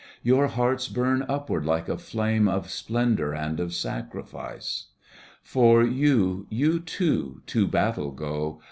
Your hearts bum upward like a flame Of splendour and of sacrifice. For you, you too, to battle go.